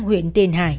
huyện tiền hải